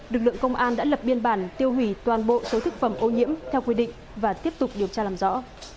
lực lượng công an đã lập biên bản tiêu hủy toàn bộ số thực phẩm ô nhiễm theo quy định và tiếp tục điều tra làm rõ